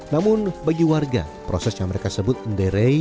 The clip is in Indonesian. namun bagi warga proses yang mereka sebut menderei